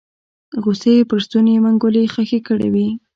غصې يې پر ستوني منګولې خښې کړې وې